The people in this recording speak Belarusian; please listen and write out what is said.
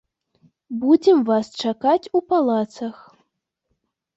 Будзем вас чакаць у палацах.